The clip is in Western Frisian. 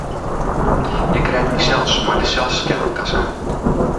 Ik rêd mysels mei de selsscankassa.